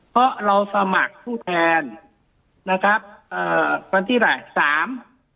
เพราะเราสมัครผู้แทนนะครับเอ่อวันที่อะไรสาม